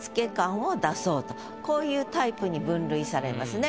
こういうタイプに分類されますね